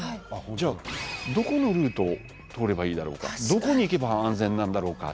じゃあどこのルート通ればいいだろうかどこに行けば安全なんだろうか。